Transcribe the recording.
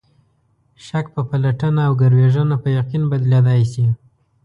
شک په پلټنه او ګروېږنه په یقین بدلېدای شي.